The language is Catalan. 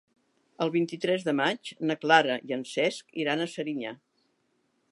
El vint-i-tres de maig na Clara i en Cesc iran a Serinyà.